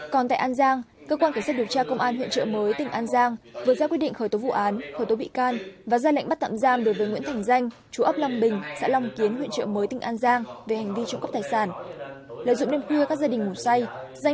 còn tại an giang cơ quan cảnh sát điều tra công an huyện trợ mới tỉnh an giang vừa ra quyết định khởi tố vụ án khởi tố bị can và ra lệnh bắt tạm giam đối với nguyễn thành danh chú ấp long bình xã long kiến huyện trợ mới tỉnh an giang về hành vi trộm cắp tài sản